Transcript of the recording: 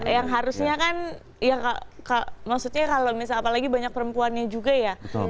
yang harusnya kan ya maksudnya kalau misalnya apalagi banyak perempuannya juga ya